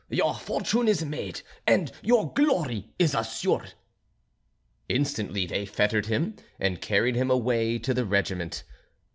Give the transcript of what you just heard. Your fortune is made, and your glory is assured." Instantly they fettered him, and carried him away to the regiment.